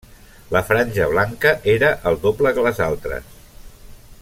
La franja blanca era el doble que les altres.